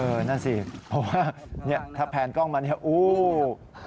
เออนั่นสิเพราะว่าถ้าแผ่นกล้องมานี่อู้ววว